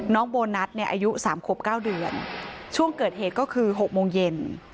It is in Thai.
น้องโบนัสเนี่ยอายุสามขวบเก้าเดือนช่วงเกิดเหตุก็คือหกโมงเย็น